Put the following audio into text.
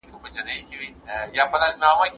اوزبکي، کشميري، چينايي، بلوڅي، ترکي، نورستاني،